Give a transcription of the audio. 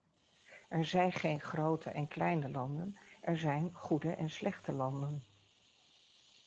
Er zijn geen grote en kleine landen: er zijn goede en slechte landen.